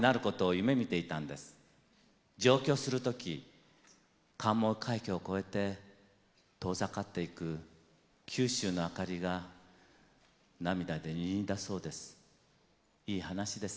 上京する時関門海峡を越えて遠ざかっていく九州の明かりが涙でにじんだそうです。